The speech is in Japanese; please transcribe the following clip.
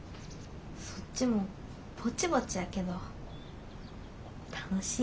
そっちもぼちぼちやけど楽しい。